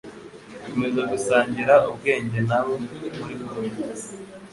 Komeza gusangira ubwenge nabo muri kumwe